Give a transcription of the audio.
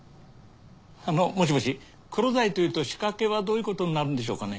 あのもしもしクロダイというと仕掛けはどういうことになるんでしょうかね？